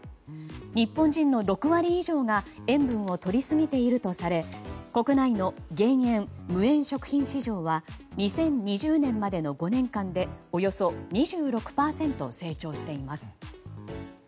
日本人の６割以上が塩分を取りすぎているとされ国内の減塩・無塩食品市場は２０２０年までの５年間でおよそ２６％成長しています。